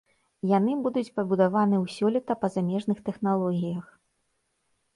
Яны будуць пабудаваны ў сёлета па замежных тэхналогіях.